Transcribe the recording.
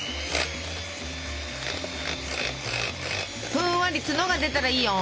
ふんわり角が出たらいいよ。